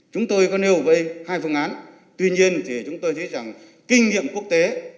chúng tôi có nêu với hai phương án tuy nhiên chúng tôi thấy kinh nghiệm quốc tế